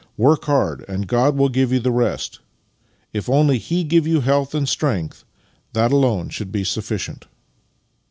Work hard, and God will give you the rest. If only He give you health and strength, that alone should be sufficient.